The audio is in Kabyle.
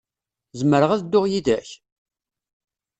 Zemreɣ ad dduɣ yid-k?